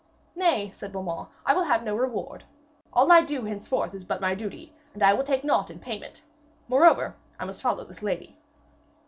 'Nay,' said Beaumains, 'I will have no reward. All I do henceforth is but my duty, and I will take naught in payment. Moreover, I must follow this lady.'